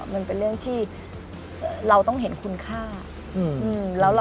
มันเป็นเรื่องที่เราต้องเห็นคุณค่า